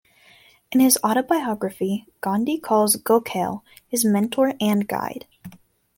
In his autobiography, Gandhi calls Gokhale his mentor and guide.